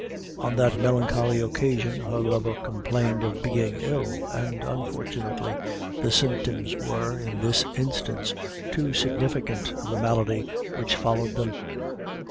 On that melancholy occasion her lover complained of being ill, and, unfortunately, the symptoms were, in this instance, too significant of the malady which followed them.